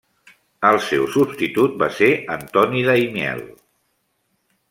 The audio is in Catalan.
El seu substitut va ser Antoni Daimiel.